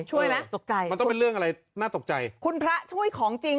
ช่วยไหมตกใจมันต้องเป็นเรื่องอะไรน่าตกใจคุณพระช่วยของจริง